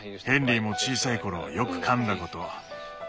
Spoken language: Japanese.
ヘンリーも小さい頃よくかんだこと。